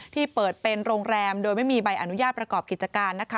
ที่เปิดเป็นโรงแรมโดยไม่มีใบอนุญาตประกอบกิจการนะคะ